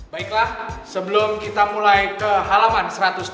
baiklah sebelum kita mulai ke halaman satu ratus dua puluh